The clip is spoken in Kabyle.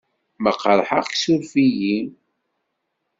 Ma qerḥeɣ-k surf-iyi.